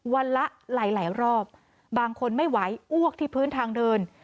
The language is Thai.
ละหลายรอบบางคนไม่ไหวอ้วกที่พื้นทางเดิน